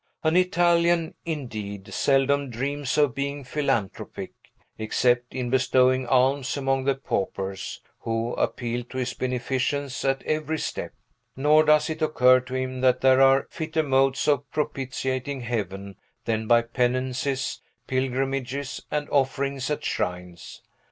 An Italian, indeed, seldom dreams of being philanthropic, except in bestowing alms among the paupers, who appeal to his beneficence at every step; nor does it occur to him that there are fitter modes of propitiating Heaven than by penances, pilgrimages, and offerings at shrines.